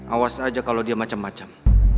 awas aja kalau dia macem macem